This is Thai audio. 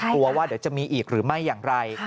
ว่าเดี๋ยวจะมีอีกหรือไม่อย่างไร